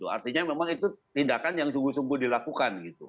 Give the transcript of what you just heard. artinya memang itu tindakan yang sungguh sungguh dilakukan gitu